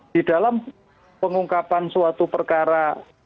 di dalam pengungkapan suatu perkara